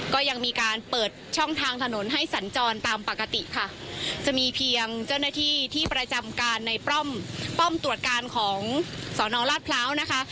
ก็ยังมีการเปิดช่องทางถนนให้สัญจรตามปกติค่ะจะมีเพียงเจ้าหน้าที่ที่ประจำการในป้อมป้อมตรวจการของสอนอราชพร้าวนะคะ